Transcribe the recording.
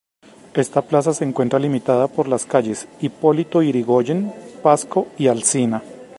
Esta plaza se encuentra limitada por las calles Hipólito Yrigoyen, Pasco y Alsina.